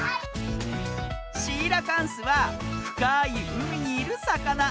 シーラカンスはふかいうみにいるさかな。